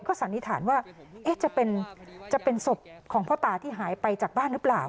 สันนิษฐานว่าจะเป็นศพของพ่อตาที่หายไปจากบ้านหรือเปล่า